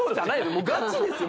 もうガチですよ